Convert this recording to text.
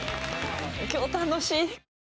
今日楽しい。